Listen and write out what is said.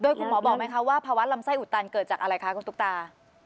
คุณหมอบอกไหมคะว่าภาวะลำไส้อุดตันเกิดจากอะไรคะคุณตุ๊กตา